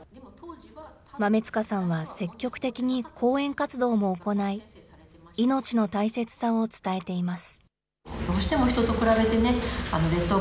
豆塚さんは積極的に講演活動も行い、命の大切さを伝えています。